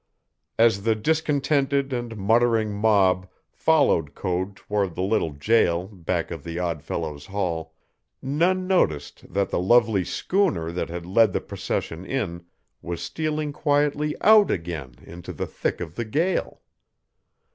As the discontented and muttering mob followed Code toward the little jail back of the Odd Fellows' Hall, none noticed that the lovely schooner that had led the procession in was stealing quietly out again into the thick of the gale.